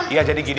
iya jadi gini